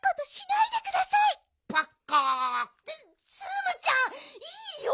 ツムちゃんいいよ！